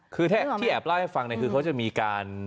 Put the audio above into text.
คือถ้าที่แอบเล่าให้ฟังคือเขาจะมีการ